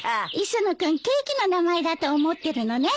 磯野君ケーキの名前だと思ってるのね。